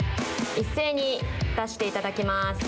一斉に出していただきます。